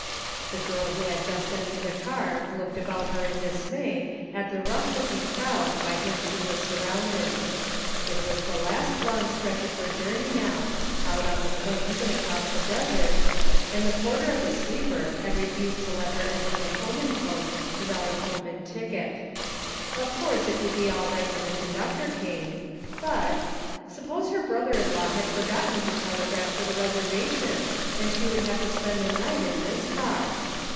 The girl who had just entered the car looked about her in dismay at the rough looking crowd by whom she wac surrounded. It was the last long stretch of her jotimey now, out on the plains and across the desert, and the porter of the sleeper had refused to let her enter the Pullman coach without a Pullman ticket. Of course it would be all right when the conductor came, but — suppose her brother in law had forgotten to tele graph for the reservation and she should have to spend the night in this car?